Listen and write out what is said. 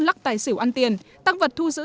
lắc tài xỉu ăn tiền tăng vật thu giữ